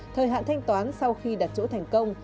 thời hạn thanh toán sau khi đặt chỗ thành công